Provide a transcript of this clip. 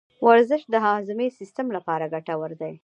ورزش د هاضمي سیستم لپاره ګټور دی.